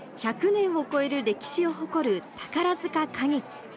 １００年を超える歴史を誇る宝塚歌劇。